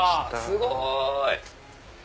すごい！